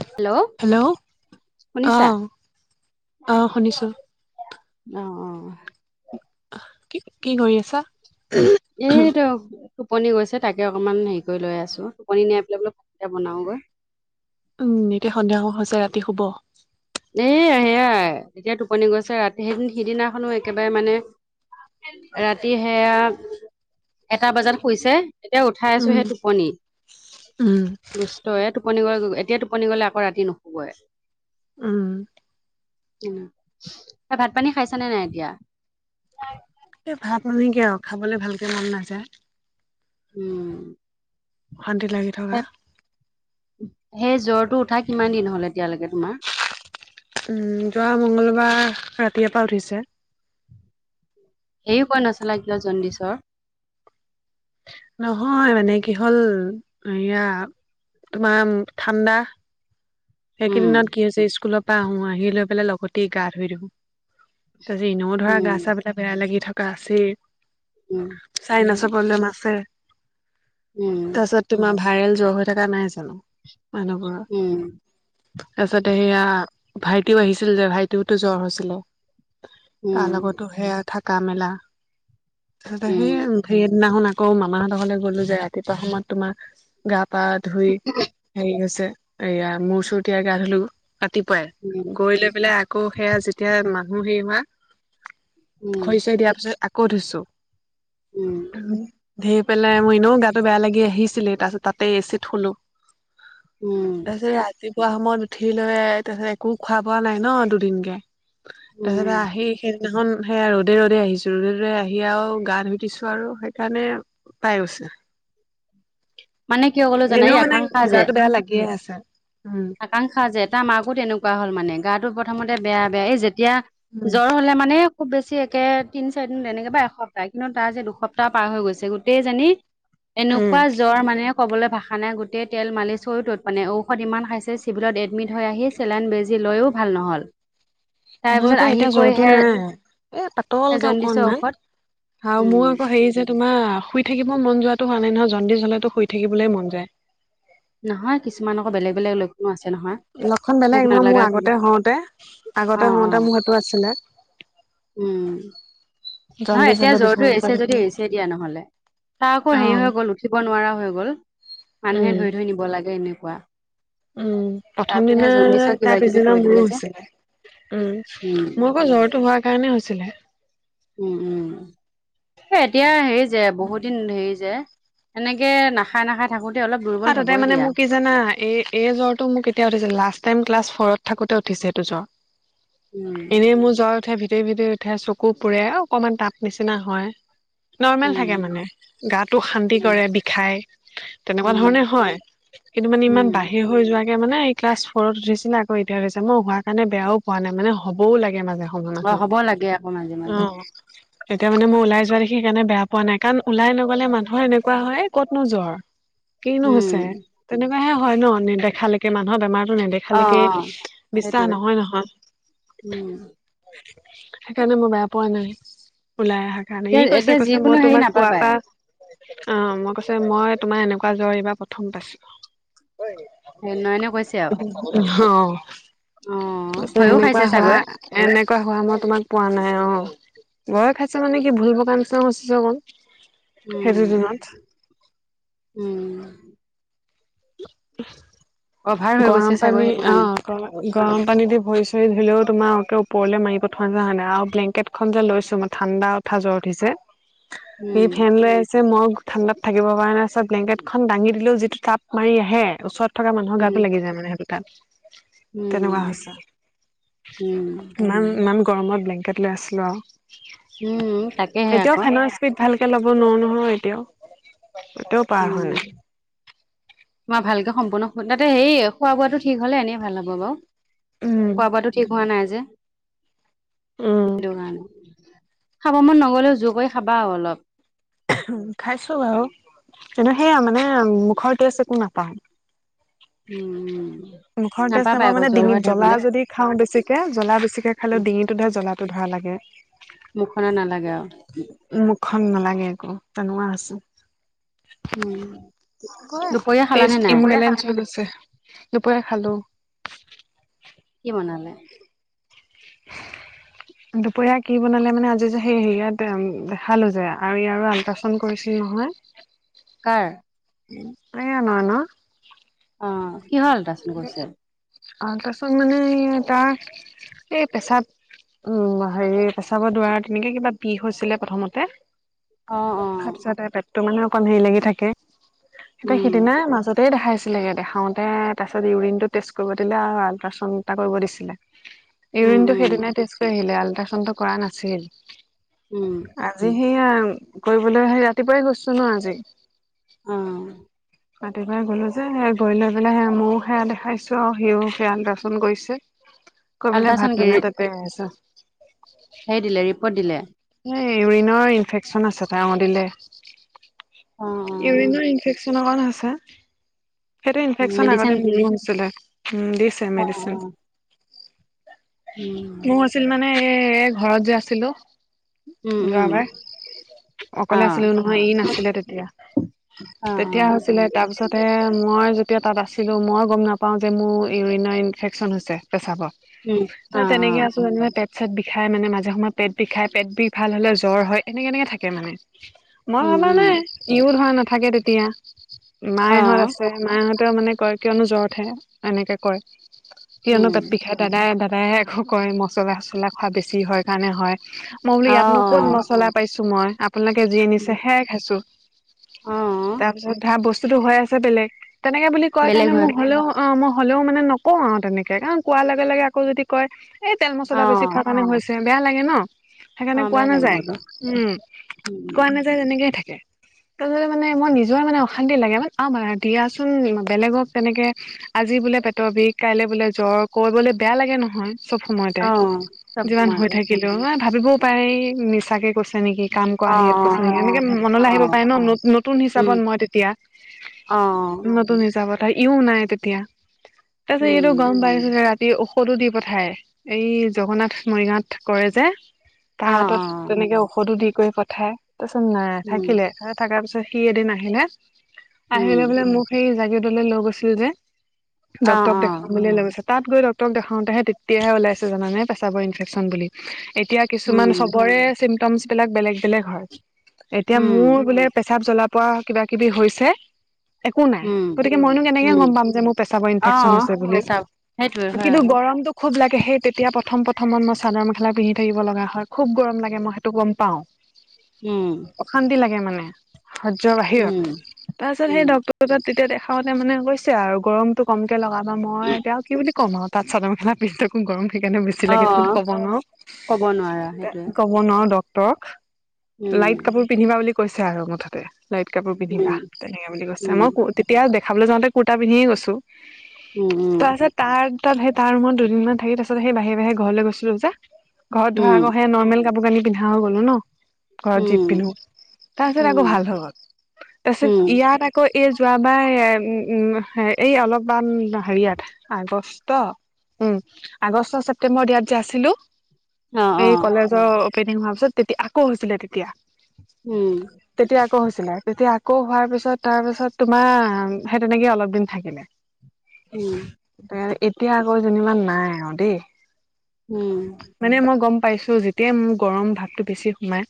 Hello hello অ শুনিছা। অ শুনিছো অঁ'অঁ'অঁ' আহ কি কি কৰি আছা? এইটো টোপনি গৈছে তাকে অকনমান হেৰি কৰি লৈ আছো টোপনি নিয়াই পেলাই বোলো ভাতকেইটাকে বনাওঁ গৈ। উম, এতিয়া সন্ধিয়া হব হৈছে ৰাতি শুব। দেই সেয়াই এতিয়া টোপনি গৈছে ৰাতি সেইদ সিদিনাখনো একেবাৰে মানে ৰাতি সেয়া এটা বজাত শুইছে। এতিয়া উঠাই আছো উম সেই টোপনি। উম বোচ তই এ টোপনি গল এতিয়া টোপনি গ'লে আকৌ ৰাতি নুশুৱে। উম। তাই ভাত পানী খাইছা নে নাই এতিয়া? এই ভাত মানে কি আৰু খাবলে ভালকে মন নাযায়। উম। শান্তিত লাগি থকা। সেই জ্বৰটো উঠা কিমান দিন হ'ল এতিয়ালৈকে তোমাৰ? উম, যোৱা মংগলবাৰে ৰাতিয়পা উঠিছে। হেৰিও কৈ নাছালা কিয় জণ্ডিছৰ? নহয় মানে কি হ'ল হেইয়া তোমাৰ ঠাণ্ডা উম, সেইকেইদিনত কি হৈছে স্কুলৰ পৰা আহো আহি লৈ পেলাই লগতে গা ধুই দিওঁ। তাৰপিছত ইনেও ধৰা গা উম, চা বিলাক বেয়া লাগি থকা আছেই। উম, চাইনাছৰ প্ৰব্লেম আছে, উম। তাৰিছত তোমাৰ ভাইৰেল জ্বৰ হৈ থকা নাই জানোঁ? মানুহবোৰৰ। উম। তাৰপিছতে সেয়া ভাইটিও আহিছিল যে ভাইটিওতো জ্বৰ হৈছিলে। তাৰ লগতো সেয়া থাকা মেলা, তাৰপাছত সেই সেইদিনাখন আক আকৌ মামাহঁতৰ ঘৰলে গ'লো যে ৰাতিপুৱা সময়ত তোমাৰ গা পা ধুই হেৰি হৈছে এইয়া মুৰ চুৰ তিয়াই গা ধুলো ৰাতিপুৱাই, গৈ লৈ পেলাই আকৌ সেয়া যেতিয়া মানুহ হেৰি হোৱা, খৰিচৰি দিয়াৰ পিছত আকৌ ধুইছো। ধেই পেলাই মোৰ এনেও গাত তো বেয়া লাগি আহিছিলে তাৰ পাছত তাতে এ চিত শুলোঁ। উম। তাৰপিছত ৰাতিপুৱা সময়ত উঠি লৈ তাৰপিছত একো খোৱা বোৱা নাই ন দুদিনকে। তাৰপিছতে আহি সে সেইদিনাখন সেয়া ৰ'দে ৰ'দে আহিছোঁ ৰ'দে ৰ'দে আহি আৰু গা ধুই দিছোঁ আৰু সেইকাৰণে পাই গৈছে। মনে কিয় কল এনেও মানে গাটো বেয়া লাগিয়ে আছে, উম। আকাংক্ষা যে তাৰ মাকো তেনেকুৱা হল মানে গাতো প্ৰথমতে বেয়া বেয়া এই যেতিয়া জ্বৰ হ'লে মানে খুব বেছি একে তিনি চাৰিদিন তেনেকে বা এসপ্তাহ কিন্তু তাৰ যে দুসপ্তাহ পাৰ হৈ গৈছে গোটেইজনী উম, এনেকুৱা জ্বৰ মানে কবলৈ ভাষা নাই গোটেই তেল মালিছ কৰিও তত পোৱা নাই, ঔষধ ইমান খাইচ চিভিলত এডমিট হৈ আহি চেলেন বেজি লৈয়ো ভাল নহ'ল। তাৰ মই পিছত আকৌ আহি এতিয়া কৈ জ্বৰটো হে নাই এ, পাতলকে জণ্ডিচৰ অকণ মান। ঔষধ আৰু মোৰ উম আকৌ হেৰী যে তোমাৰ শুই থাকিব মন যোৱাটো হোৱা নাই নহয় জণ্ডিজ হ'লেতো শুই থাকিবলেই মন যায়। নহয় কিছুমান আকৌ বেলেগ বেলেগ লক্ষণো আছে নহয়। লক্ষণ ভোক বেলেগ নহয় মোৰ নালাগা কিবা আগতে হওঁতে অ আগতে অ হওঁতে মোৰ সেইটো আছিলে। উম, নহয় জণ্ডিছ এতিয়া হলে জ্বৰটো বিচনাত এৰিছে পৰি যদি থাকিব এৰিছে দিয়া নহলে। তাৰ আকৌ অ হেৰি হৈ গল উঠিব নোৱাৰা হৈ গল, মানুহে উম ধৰি ধৰি নিব লাগে এনেকুৱা। উম প্ৰথম তাৰপিছতহে দিনাৰ জণ্ডিচৰ কিবা তাৰ কিবি পিছদিনা কৰি মোৰো দিলে যে হৈছিলে। উম উম মই আকৌ লৰটো হোৱাৰ কাৰণে হৈছিলে। উম উম এ এতিয়া হেৰি যে বহুত দিন হেৰি যে। সেনেকে নাখায় নাখায়। থাকোতে অলপ। দুৰ্বল হাততে হ'বই মানে দিয়া মোক কি। জানা এ এই জ্বৰ টো মোক এতিয়া উঠিছে লাষ্ট টাইম ক্লাছ ফ'ৰত থাকোতে উঠিছে এইটো জ্বৰ। উম এনেই মোৰ জ্বৰ উঠে ভিতৰি ভিতৰি উঠে চকু পুৰে অকমান তাপ নিচিনা হয়। নৰ্মেল উম থাকে মানে গাটো শান্তি উম কৰে বিষাই। এনেকুৱা উম ধৰণে হয় কিন্তু মানে ইমান উম বাহিৰ। হৈ যোৱাকে মানে ক্লাছ ফৰত উঠিছিলে আকৌ এতিয়াছে মই হোৱাৰ কাৰণে বেয়াও পোৱা নাই মানে হ'বও লাগে মাজে। অ হ'ব লাগে আকৌ মাজে [inaudible] অ। মাজে তেতিয়া মানে মই ওলাই যোৱা দেখি সেইকাৰণে বেয়া পোৱা নাই কাৰণ ওলাই নগ'লে মানুহৰ এনেকুৱা হয় কতনো জ্বৰ। কিনো উম হৈছে তেনেকুৱা হে হয় নেদেখালেকে মানুহৰ বেমাৰতো নেদে। অ অ খালেকে বিশ্বাস সেইটোৱে নহয় নহয়। উম সেইকাৰণে মই বেয়া পোৱা নাই ওলাই আহা। কাৰণে এতিয়া হি কৈছে এতিয়া কৈছে যিকোনো মই হেৰি তোমাক কোৱা নাপাবাই পা। অ মই কৈছে মই তোমাৰ এনেকুৱা জ্বৰ এইবাৰ প্ৰথম পাইছো। এ নয়নে কৈছে আৰু। অ অ [inaudible] ভয়ো সেনেকুৱা খাইছে হোৱা। চাগৈ এনেকুৱা হোৱা মই তোমাক পোৱা নাই অ। ভয় খাইছ মানে কি ভুল বকাৰনিচিনা [inaudible] অকণ সেইটো উম দিনত। উম। অভাৰ হৈ গৈছে গৰম চাগৈ পানী সেইটো অ। কাৰণে গৰ গৰম পানী দি ভৰি চৰি ধুলেও তোমাৰ ওপৰলে মাৰি পঠোৱা যা নাই আৰু ব্লেংকেট। খন যে লৈছো মই ঠাণ্ডা উঠা জ্বৰ উঠিছে ই উম ফেন লৈ আছে মই। ঠাণ্ডাত থাকিব পৰা নাই চ ব্লেংকেটখন দাঙি দিলেও যিটো তাপ মাৰি আহে ওচৰত থকা মানুহৰ গাত। উম [inaudible] যায় মানে সেইটো তাত। উম তেনেকুৱা হৈছে উম ইমান ইমান গৰমত ব্লেং। কেত লৈ আছিলো আৰু উম তাকেহে এতিয়াও আকৌ ফেনৰ। পিত ভালকে ল'ব নোৱাৰো নহয় এতিয়াও। পাৰা হোৱা নাই। উম। মই ভালকে সম্পূৰ্ণ তাতে হেৰি খোৱা বোৱাটো ঠিক হলে এনেই ভাল হব বাৰু। খোৱা বোৱাটো ঠিক হোৱা নাই যে উম সেইটো কাৰণে। খাব মন নগ'লেও জোৰ কৰি খাবা ৰো অলপ। খাইছো বাৰু কিন্তু সেয়া মানে মুখৰ টেষ্ট একো নাপাওঁ। উম উম। মুখৰ তেজ নাপা মানে ডিঙিত জ্বলা যদি। খাওঁ বেছিকে জ্বলা বেছিকে খালে ডিঙিটোতে জ্বলাটো ধৰা লাগে। মুখনৰ নালাগে আৰু। মুখন নালাগে একো তেনেকোৱা হৈছে। উম গয় দুপৰীয়া খালানে টেষ্ট নাই [inaudible] দুপৰীয়া খালো। কি বনালে। [inaudible] দুপৰীয়া কি বনালে মানে আজি যে হে হেইয়াতটে দেখালো যে আৰু ইয়াৰো আল্টছ। চাউণ্ড কৰিছিল নহয় কাৰ উ এ আমা ন অ কি হল তা আল্ট্ৰাছাউণ্ড মানে সে তাৰ এ পেচাব উম হেৰি পেচাবৰ দ্বাৰত তেনেকে কিবা বিষ হৈছিলে প্ৰথমতে অ অ তাপিছতে পেটটো মানে অকমান হেৰি লাগি থাকে এতিয়া উম সিদিনাই মাজত টেই দেখাইছিলেগে দেখাওঁতে তাৰপিছত ইউৰিনটো টেষ্ট কৰিব দিলে আৰু আল্ট্ৰাচাউণ্ড এটা কৰিব দিছিলে উম ইউৰিনটো উম সেইদিনাই টেষ্ট কৰি আহিলে আল্ট্ৰাচাউডটো কৰা নাছিল উম আজি সেইয়া কৰিবলৈ সেই ৰাতিপুৱাই গৈছো ন আজি অহ ৰাতিপুৱাই গ'লো যে সেই গৈ লৈ পেলাই হেয়া মইও সেয়া দেখাইছো আৰু সিও সেয়া আল্ট্ৰাছাউণ্ড কৰিছে কৰি পেলাই আল্ট্ৰাচাউণ্ড ভাত মানে তাত তে আছো সেই দিলে ৰিপৰ্ট দিলে এ ইউৰিনৰ ইনফেকচন আছে তাৰ অ দিলে অ অ ইউৰিনৰ ইনফেকচন কাৰনে হৈছে সেইটো ইনফেকচন মেডিচিন আগতে মোৰো হৈছিলে উম দিছে অ অ মেডিচিন উম মোৰ আছিল মানে এ ঘৰত যে আছিলো উম উম যোৱাবাৰ অ অকলে আছিলো নহয় ই নাছিলে তেতিয়া অ অ তেতিয়া হৈছিলে তাৰপিছতে মই যেতিয়া তাত আছিলোঁ মই গম নাপাওঁ যে মোৰ ইউৰিনৰ ইনফেকচন হৈছে উম পেছাবত অ তে অ তেনেকে আছো যেনিবা তেপ চেত বিষাই মানে মাজে সময়ে পেট বিষাই পেট বিষ ভাল হলে জ্বৰ হয় এনেকে এনেকে থাকে মানে মই উম ভাবা উম নাই, ইও ধৰা নাথাকে তেতিয়া অ মায়েহঁত আছে। মায়ে হঁতেও মানে কয়, কিয়নো জ্বৰ উঠে, এনেকে কয়! কিয়নো উম পেট বিষাই। দাদাই, দাদাই আকৌ কয়, মছলা, চছলা খোৱা বেছি হয় কাৰণে হয়। মই বোলো অ ইয়াতনো অ কত মছলা পাইছো মই, আপোনালোকে যি নিছে সেয়াই খাইছো। অ তাৰ পিছত ধাৰ বস্তুতো হৈ আছে বেলেগ! তেনেকে বুলি কয় বেলেগ কাৰণে হয় মই হলেও অ মই হ'লেও মানে নকওঁ আৰু তেনেকে কাৰণ কোৱাৰ লগে লগে আকৌ যদি কয় এই তেল অ মছলা বেছি খোৱা কাৰণে হৈছে বেয়া লাগে ন অ সেইকাৰণে কোৱা বেয়া নাযায় লাগিবতো উম কোৱা নাযায় তেনেকেই থাকে তাপাছতে মানে মই নিজৰে মানে অশান্তি লাগে মান আৰু দিয়াচোন বেলেগক তেনেকে আজি বোলে পেটৰ বিষ, কাইলে বোলে জ্বৰ, কৰবলৈ বেয়া লাগে নহয়। চব সময়তে অ চব যিবান হৈ সময়তে থাকিল। নহয় ভাবিবও পাৰেই, মিছাকে কৈছে নেকি, কাম কৰা অ হেৰিয়ত কৈছে অ নেকি এনেকে অ মনলৈ আহিব পাই ন ন নতুন উম হিচাপত মই তেতিয়া অ নতুন হিচাপত! তা ইও নাই তেতিয়া। তাৰ পিছত উম এইটো গম পাইছিলে ৰাত সি ঔষধো দি পঠায়, এই জগন্নাথ মৰিগাওঁত কৰে যে, কাহ অ হাতত অ তেনেকে ঔষধো দি কৰি পঠায়, তাৰপিছত নাই উম, থাকিলে। তাতে থাকাৰ পিছত সি এদিন আহিলে! আহি উম, লৈ পিলে মোক, সেই জাগীৰোড লৈ গৈছিল যে, অ', ডক্তৰ দেখাম অ', বুলিয়ে লৈ গৈছে। তাত গৈ ডক্তৰক দেখাওতেহে তেতিয়াহে ওলাইছে জানানে, পেচাবৰ ইনফেকশচন বুলি। এতিয়া কিছুমান উম, চবৰে চিমটমচ বিলাক বেলেগ বেলেগ হয়। এতিয়া মোৰ উম, বোলে পেচাব জ্বলা-পোৰা কিবা-কিবি হৈছে। একো নাই, উম, গতিকে মইনো কেনেকৈ গম উম, পাম যে মোৰ পেচাবৰ ইনফেকচন অ', হৈছে বুলি। পেচাব সেইটোৱে হয় কিন্তু আকৌ। গৰমটো খুব লাগে সেই তেতিয়া প্ৰথম প্ৰথমত মই চাদৰ-মেখেলা পিন্ধি থাকিব লগা হয়। খুব গৰম লাগে মই সেইটো গম পাওঁ। উম। অশান্তি লাগে মানে। সহ্য বাহিৰত। উম, তাৰপিছত সেই উম, ডক্তৰ তেতিয়া দেখাওঁতে মানে কৈছে আৰু গৰমটো কমকে লগাবা। মই এতিয়া কি বুলি কম আৰু তাত চাদৰ-মেখেলা পিন্ধি থাকোঁ। গৰম সেইকাৰণে বেছি লাগে বুলি অ', ক'ব নোৱাৰোঁ। ক'ব নোৱাৰা তে সেইটোৱে, ক'ব নোৱাৰো দক টক উম, লাইট কাপোৰ পিন্ধিবা বুলি কৈছে আৰু মুঠতে। লাইট কাপোৰ পিন্ধিবা উম, তেনেকে বুলি কৈছে। উম, মই কু তেতিয়া দেখাবলৈ যাওঁতে কুৰ্তা পিন্ধিয়ে গৈছোঁ। উম, তাৰপাছত তাৰ টাত সেই তাৰ ৰুমত দুদিনমান থাকি। তাৰ পিছত সেই বাহিৰে বাহিৰে ঘৰলৈ গৈছিলো যে। ঘৰত ধৰা উম, আকৌ সেই নৰ্মেল কাপোৰ-কানি পিন্ধা হৈ গলো ন! ঘৰত যি উম, পিন্ধো। তাৰপিছত উম, আকৌ উম, ভাল হৈ গল। তাৰপিছত উম, ইয়াত আক আকৌ এই যোৱাবাৰ এই উম উম হে এইয়া অলপমান হেৰিয়াত? আগষ্ট উম আগষ্ট, ছেপ্টেম্বৰ ইয়াত যে আছিলো? অ', এই অ', কলেজৰ অপেনিং হোৱাৰ পিছত তেতিয়া আকৌ হৈছিলে তেতিয়া। উম! তেতিয়া আকৌ হৈছিলে। তেতিয়া আকৌ হোৱাৰ পিছত তাৰ পিছত তোমাৰ সেই তেনেকে অলপ দিন থাকিলে। উম। এতিয়া আকৌ যেনিবা নাই আৰু দেই। উম! মানে মই গ'ম পাইছো। যেতিয়াই মোৰ গৰম ভাৱটো বেছি সোমাই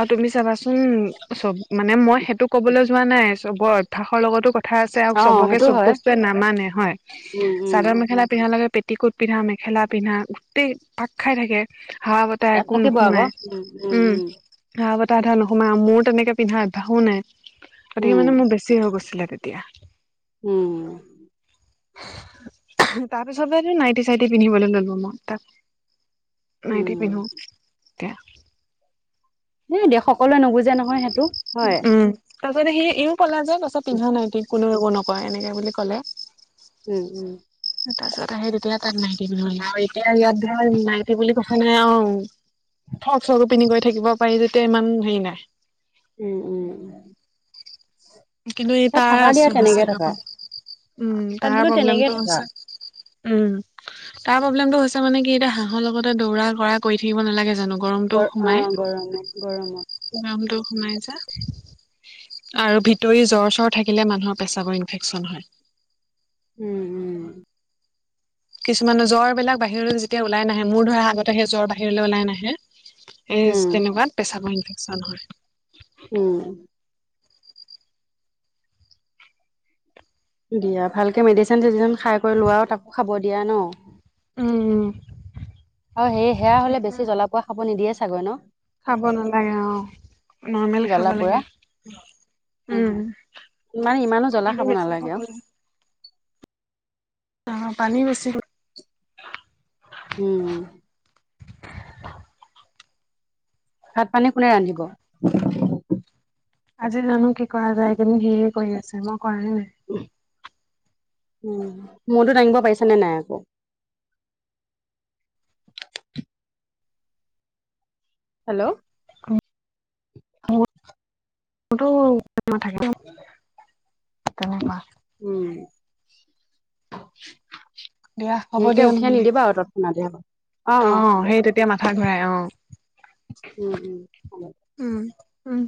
আৰু তুমি চাবাচোন উম চব মানে মই সেইটো কবলৈ যোৱা নাই চবৰ অভিয়াসৰ লগতো কথা কথা আছে আৰু অ', চবকে সেইটো চব হয়, বস্তুৱে নামানে হয়। উম, উম, চাদৰ মেখেলা পিন্ধাৰ লগকে পেইট টিকুট পিন্ধা, মেখেলা পিন্ধা, গোটেই পাক খাই থাকে হাৱা বতাহ তাই একো নোসোমাই। উম হাৱা-বতাহ এটা নোসোমাই আৰু মোৰ তেনেকে পিন্ধা অভ্যাসো নাই। গতিকে উম, মানে মোৰ বেছি চিও গৈছিলে তেতিয়া। উম। তাৰ পিছতেটো নাইটি-চাইটি পিন্ধিবলৈ ললো। মই তাক নাইট পিন্ধো উম, এতিয়া। এ দেশ সকলোৱে নুবুজে নহয় সেইটো। হয়, উম তাৰ পিছত সি ইও কলা যে তাৰ পিছত পিন্ধা নাইকি কোনেও নকয় এনেকে বুলি ক'লে। উম উম। তাৰপিছত আহি তেতিয়া তাত নাইটি পিন্ধো। এতিয়া ইয়াত ধৰা নাইটী বুলি কথা নাই আৰু। ফ্ৰক-চকো পিন্ধি কৰি থাকিব পাৰি যেতিয়া ইমান হেৰি নাই। উম উম উম। কিন্তু এই তাৰ আছে হৈছে অকন উম তাত তাৰ বোলো তেনেকে প্ৰব্লেমটো থাকা হৈছে। উম! তাৰ প্ৰব্লেমটো হৈছে মানে কি এতিয়া হাঁহৰ লগতে দৌৰা কৰা কৰি থাকিব নালাগে জানো। গৰমটো গ অ গৰমত গৰমত। নামটো সোমাইছা। আৰু ভিতৰি জ্বৰ চ্বৰ থাকিলে মানুহৰ পেচাবৰ ইনফেকচন হয় উম উম কিছুমানে জ্বৰ বিলাক বাহিৰলৈ যেতিয়া ওলাই নাহে মোৰ ধৰা আগতে সেই জ্বৰ বাহিৰলৈ ওলাই নাহে এই উম তেনেকুৱাত পেছাবৰ ইনফেকশচন হয় উম দিয়া ভালকে মেডিচিন চেডিচন খাই কৰি লোৱা আৰু তাকো খাব দিয়া ন উম উম আৰু সে সেয়া হলে সেইটোৱে বেছি জ্বলা পোৰা খাব নিদিয়ে চাগৈ ন খাব নালাগে অ নৰ্মেল খাব জ্বলা পোৰা লাগে উম মানে ইমানো জ্বলা পানো বেছি নালাগে খাব আৰু অ পানী বেছি উম ভাত পানী কোনে ৰান্ধিব আজি জানো কি কৰা যায় এই কেইদিন সি কৰি আছে মই কৰাই নাই উ মোৰতো দাঙিব পাৰিছ নে নাই আকৌ হেল্ল' অ মোৰোতো থাকে দ তেনেকুৱা উম দিয়া হ'ব সেকে দিয়া উঠিয়াই নহ'লে। নিদিবা আৰু তাত নাধে অ সেই তেতিয়া মাথা ঘূৰাই অ উম উম হব উম উম